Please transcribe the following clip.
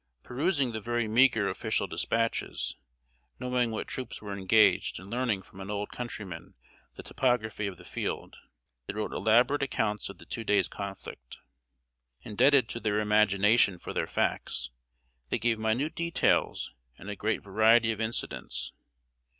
Perusing the very meager official dispatches, knowing what troops were engaged, and learning from an old countryman the topography of the field, they wrote elaborate accounts of the two days' conflict. Indebted to their imagination for their facts, they gave minute details and a great variety of incidents.